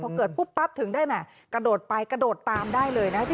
พอเกิดปุ๊บถึงได้ไหมกระโดดไปกระโดดตามได้เลยนะครับ